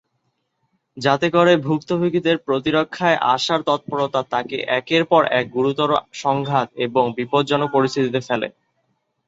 যাতে করে ভুক্তভোগীদের প্রতিরক্ষায় আসার তৎপরতা তাকে একের পর এক গুরুতর সংঘাত এবং বিপজ্জনক পরিস্থিতিতে ফেলে।